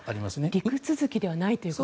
陸続きではないと。